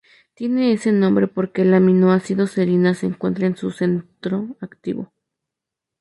Tienen ese nombre porque el aminoácido serina se encuentra en su centro activo.